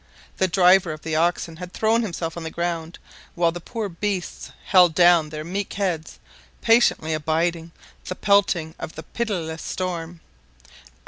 The driver of the oxen had thrown himself on the ground, while the poor beasts held down their meek heads, patiently abiding "the pelting of the pitiless storm."